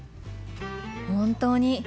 本当に。